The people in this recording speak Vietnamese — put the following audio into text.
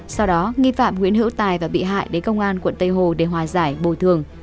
sau đó nghi phạm nguyễn hữu tài và bị hại đến công an quận tây hồ để hòa giải bồi thường